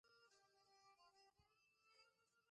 د دوی د مینې کیسه د باران په څېر تلله.